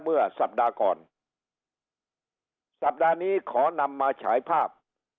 เมื่อสัปดาห์ก่อนสัปดาห์นี้ขอนำมาฉายภาพ